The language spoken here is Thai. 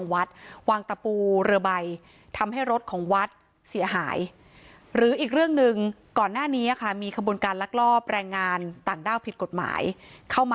หลวงปู่นั่นก็เจอลักษณะคล้ายกัน